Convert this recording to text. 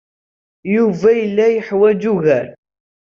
Yuba yella yeḥwaj ugar.